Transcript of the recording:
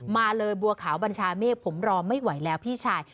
มาเลยบัวขาวบัญชาเมฆผมรอไม่ไหวแล้วพี่ชาย